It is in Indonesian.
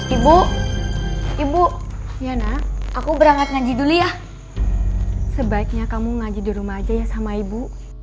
ibu ibu yana aku berangkat ngaji dulu ya sebaiknya kamu ngaji di rumah aja ya sama ibu